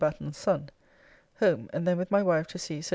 Batten's son. Home, and then with my wife to see Sir W.